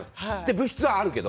物質はあるけど。